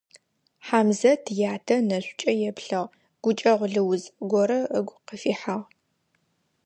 Хьамзэт ятэ нэшӀукӀэ еплъыгъ, гукӀэгъу лыуз горэ ыгу къыфихьагъ.